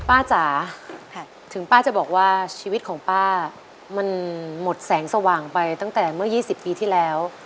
จ๋าถึงป้าจะบอกว่าชีวิตของป้ามันหมดแสงสว่างไปตั้งแต่เมื่อ๒๐ปีที่แล้ว